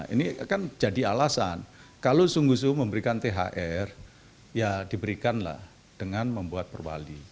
ini kan jadi alasan kalau sungguh sungguh memberikan thr ya diberikanlah dengan membuat perwali